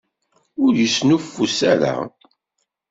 Ur yesnuffus ara!